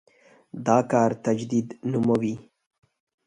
دا کار تجدید نوموي.